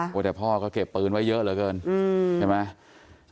แต่พ่อก็เก็บปืนไว้เยอะเหลือเกินใช่ไหม